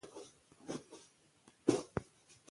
افغانستان د نفت په اړه مشهور تاریخی روایتونه لري.